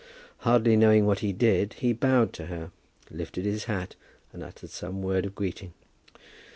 Hardly knowing what he did, he bowed to her, lifted his hat, and uttered some word of greeting.